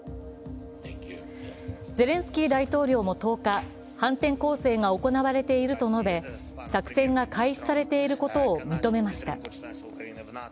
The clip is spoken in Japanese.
ゼレンスキー大統領も１０日、反転攻勢が行われていると述べ、作戦が開始されていることを認めました。